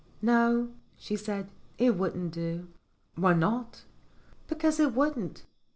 "No," she said. "It wouldn't do." "Why not?" "Because it wouldn't."